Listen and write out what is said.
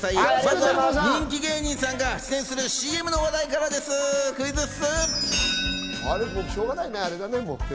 まずは人気芸人さんが出演するＣＭの話題からクイズッス。